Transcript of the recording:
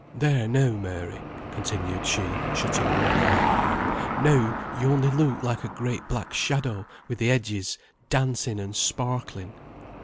There now, Mary," continued she, shutting one eye, "now you only look like a great black shadow, with the edges dancing and sparkling."